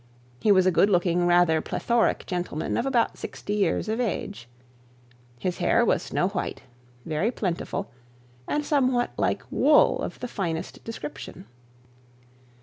He was a good looking rather plethoric gentleman of about sixty years of age. His hair was snow white, very plentiful, and somewhat like wool of the finest description.